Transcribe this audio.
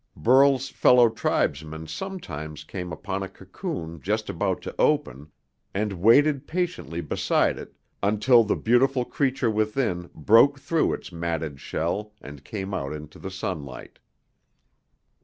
Burl's fellow tribesmen sometimes came upon a cocoon just about to open, and waited patiently beside it until the beautiful creature within broke through its matted shell and came out into the sunlight.